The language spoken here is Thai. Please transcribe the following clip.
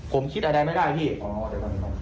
ผมคิดอะไรไม่ได้พี่